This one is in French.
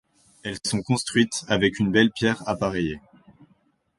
Elles sont construites avec une belle pierre appareillée.